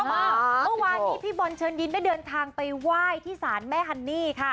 เมื่อวานนี้พี่บอลเชิญยิ้มได้เดินทางไปไหว้ที่ศาลแม่ฮันนี่ค่ะ